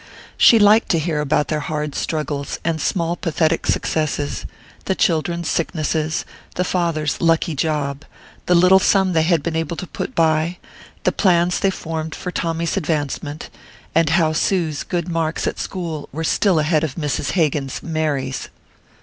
She liked to hear about their hard struggles and small pathetic successes: the children's sicknesses, the father's lucky job, the little sum they had been able to put by, the plans they had formed for Tommy's advancement, and how Sue's good marks at school were still ahead of Mrs. Hagan's Mary's.